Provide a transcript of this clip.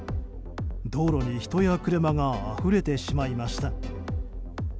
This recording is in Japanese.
道路に人や車があふれてしまいました。